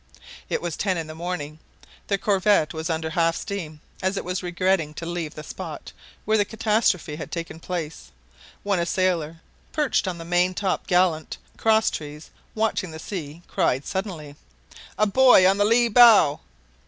It was ten in the morning; the corvette was under half steam, as it was regretting to leave the spot where the catastrophe had taken place, when a sailor, perched on the main top gallant crosstrees, watching the sea, cried suddenly: "A buoy on the lee bow!"